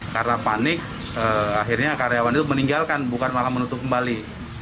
karena panik akhirnya karyawan itu meninggalkan bukan malah menutup kembali